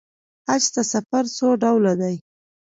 حج ته سفر څو ډوله دی.